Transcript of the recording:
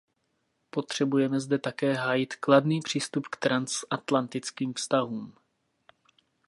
Potřebujeme zde také hájit kladný přístup k transatlantickým vztahům.